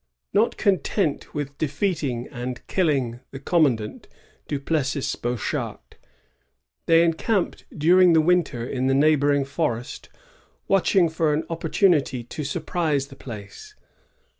Not content with defeating and killing the commandant, Du Plessis Bochart, they encamped during the winter in the neighboring forest, watching for an oppor tunity to surprise the place.